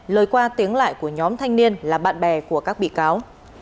lời qua tiếng lại của nhóm thanh niên là bạn bè của các bị cáo